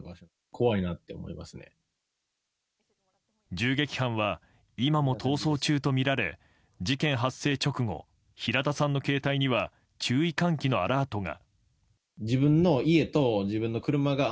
銃撃犯は今も逃走中とみられ事件発生直後平田さんの携帯には注意喚起のアラートが。